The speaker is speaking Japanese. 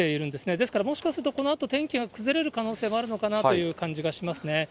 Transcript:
ですから、もしかするとこのあと、天気が崩れる可能性があるのかなという感じがしますね。